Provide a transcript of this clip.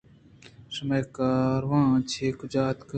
شمئے کاروان چہ کجا آتگ